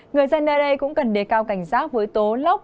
người dân nơi đây cũng cần đề cao cảnh giác với tố lốc